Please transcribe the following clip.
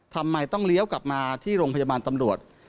ทำไมต้องเลี้ยวกลับมาที่โรงพยาบาลตำรวจ